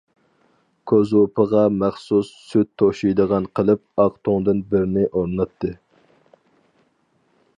كوزۇپىغا مەخسۇس سۈت توشۇيدىغان قىلىپ ئاق تۇڭدىن بىرنى ئورناتتى.